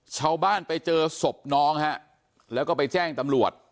ชาวบ้านไปเจอศพน้องฮะแล้วก็ไปแจ้งตำรวจ